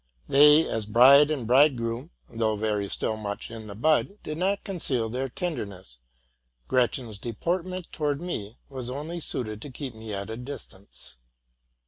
They, as bride and bridegroom, though still very much in the bud, did not conceal their tenderness: Gretchen's deportment towards me was only suited to keep me at a distance.